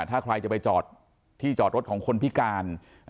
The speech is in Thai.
ถ้าใครจะไปจอดที่จอดรถของคนพิการ